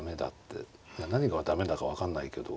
何が駄目だか分かんないけど。